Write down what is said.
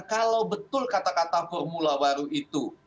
kalau betul kata kata formula baru itu